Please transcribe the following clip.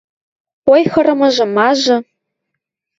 — Ойхырымыжы-мажы...